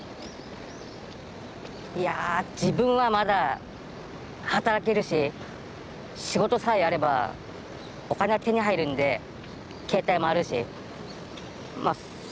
いや自分はまだ働けるし仕事さえあればお金は手に入るんで携帯もあるしまあ